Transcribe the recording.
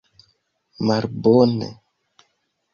Malbone!